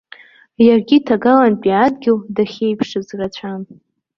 Иаргьы ҭагалантәи адгьыл дахьеиԥшыз рацәан.